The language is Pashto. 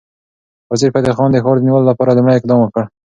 وزیرفتح خان د ښار د نیولو لپاره لومړی اقدام وکړ.